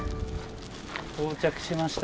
到着しました。